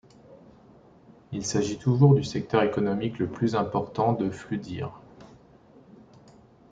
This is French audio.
Il s'agit toujours du secteur économique le plus important de Flúðir.